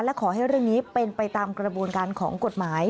และขอให้เรื่องนี้เป็นไปตามกระบวนการของกฎหมาย